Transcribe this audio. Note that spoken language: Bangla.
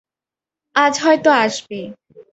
আজ হয়তো আসবে।